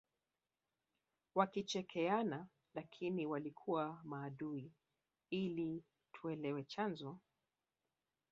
wakichekeana lakini walikuwa maadui ili tuelewe chanzo